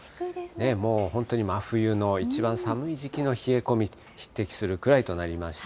もう本当に真冬のいちばん寒い時期の冷え込みに匹敵するくらいとなりました。